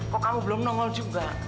kok kamu belum nongol juga